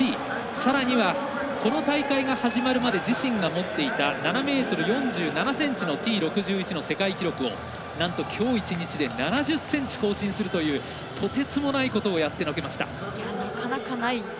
さらには、この大会が始まるまで自身が持っていた６ｍ４７ｃｍのＴ６１の世界記録をなんときょう一日で７０ｃｍ更新するというとてつもないことをやってのけました。